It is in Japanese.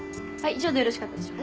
以上でよろしかったでしょうか？